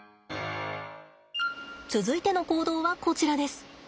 続いての行動はこちらです。